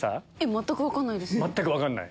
全く分かんないです。